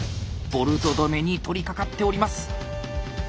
ボルト留めに取りかかっております。